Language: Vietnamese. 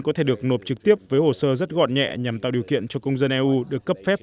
có thể được nộp trực tiếp với hồ sơ rất gọn nhẹ nhằm tạo điều kiện cho công dân eu được cấp phép